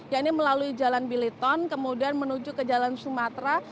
ya ini melalui jalan biliton kemudian menuju ke jalan sumatera